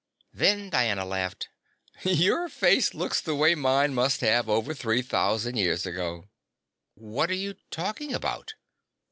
Then Diana laughed. "Your face looks the way mine must have, over three thousand years ago!" "What are you talking about?"